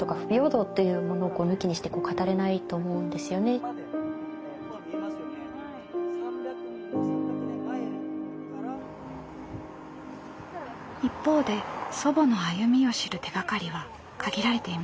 一方で祖母の歩みを知る手がかりは限られていました。